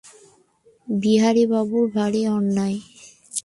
বিহারীবাবুর ভারি অন্যায়।